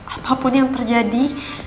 apapun yang terjadi